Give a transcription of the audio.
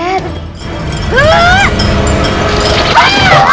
patah patah lagi